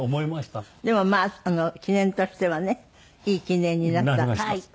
でもまあ記念としてはねいい記念になった。